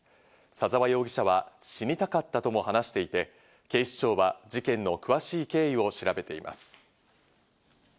左沢容疑者は死にたかったとも話していて、警視庁は事件の詳しい経緯を調べています。